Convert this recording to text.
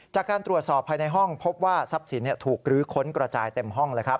จากการตรวจสอบภายในห้องพบว่าทรัพย์สินถูกรื้อค้นกระจายเต็มห้องเลยครับ